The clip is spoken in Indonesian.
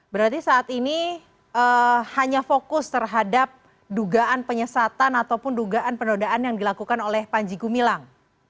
berarti saat ini hanya fokus terhadap dugaan penyesatan ataupun dugaan penodaan yang dilakukan oleh panji gumilang